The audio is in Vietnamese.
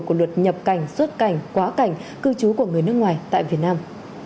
của luật nhập cảnh xuất cảnh quá cảnh cư trú của người nước ngoài tại việt nam